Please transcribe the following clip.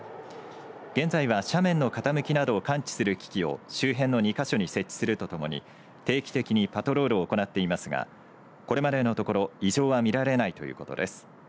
現在は、斜面の傾きなどを感知する機器を周辺の２か所に設置するとともに定期的にパトロールを行っていますがこれまでのところ異常は見られないということです。